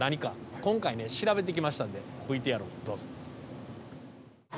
今回ね調べてきましたんでＶＴＲをどうぞ。